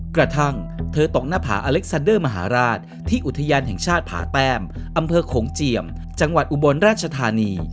กระทั่งเธอตกหน้าผาอเล็กซันเดอร์มหาราชที่อุทยานแห่งชาติผาแต้มอำเภอโขงเจียมจังหวัดอุบลราชธานี